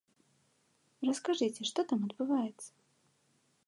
Раскажыце, што там адбываецца?